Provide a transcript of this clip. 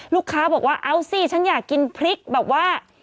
ลูกค้าบอกว่าเอาสิฉันอยากกินพริกแบบว่า